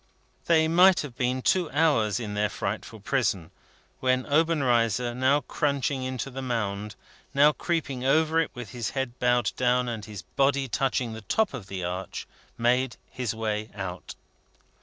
They might have been two hours in their frightful prison, when Obenreizer, now crunching into the mound, now creeping over it with his head bowed down and his body touching the top of the arch, made his way out.